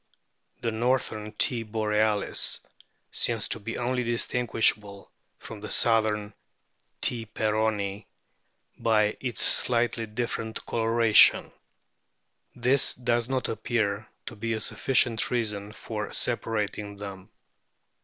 The northern T. borealis seems to be only distinguishable from the southern T. peronii by its slightly different coloration ; this does not appear to be a sufficient reason for sepa rating them.